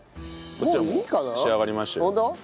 こっちはもう仕上がりましたよ。